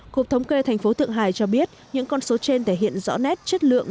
cục thống kê thành phố thượng hải cho biết những con số trên thể hiện rõ nét chất lượng